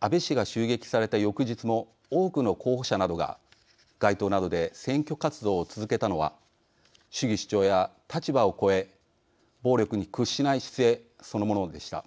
安倍氏が襲撃された翌日も多くの候補者などが街頭などで選挙活動を続けたのは主義主張や立場を超え暴力に屈しない姿勢そのものでした。